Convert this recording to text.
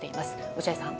落合さん。